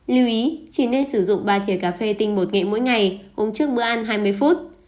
lưu ý chỉ nên sử dụng ba dế cà phê tinh bột nghệ mỗi ngày uống trước bữa ăn hai mươi phút